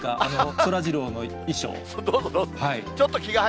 そらジローの衣装。